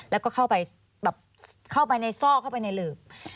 แล้วก็เข้าไปในซอกเข้าไปในหลืบ